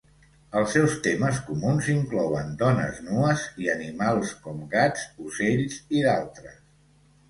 Els seus temes comuns inclouen dones nues i animals com gats, ocells i d'altres.